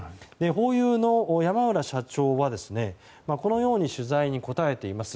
ホーユーの山浦社長はこのように取材に答えています。